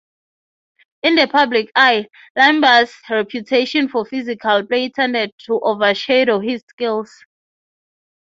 In the public eye, Laimbeer's reputation for physical play tended to overshadow his skills.